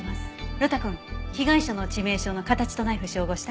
呂太くん被害者の致命傷の形とナイフ照合した？